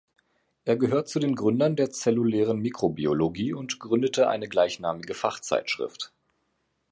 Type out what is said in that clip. Er gehört zu den Gründern der zellulären Mikrobiologie und gründete eine gleichnamige Fachzeitschrift.